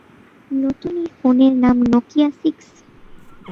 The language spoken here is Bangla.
নতুন এই ফোনের নাম ‘নকিয়া সিক্স’।